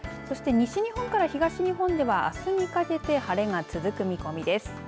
そして西日本から東日本ではあすにかけて晴れが続く見込みです。